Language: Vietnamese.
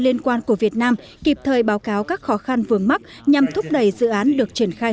liên quan của việt nam kịp thời báo cáo các khó khăn vướng mắt nhằm thúc đẩy dự án được triển khai